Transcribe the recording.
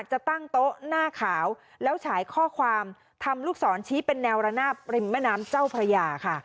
จะตั้งโต๊ะหน้าขาวแล้วฉายข้อความทำลูกศรชี้เป็นแนวระนาบริมแม่น้ำเจ้าพระยาค่ะ